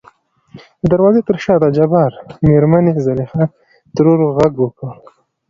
د دروازې تر شا دجبار مېرمنې زليخا ترور غږ وکړ .